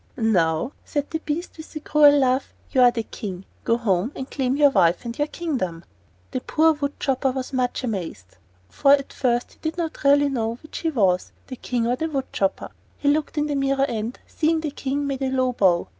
"Now," said the beast, with a cruel laugh, "you are the King! Go home and claim your wife and your kingdom." The poor wood chopper was much amazed; for at first he did not really know which he was, the King or the wood chopper. He looked in the mirror and, seeing the King, made a low bow.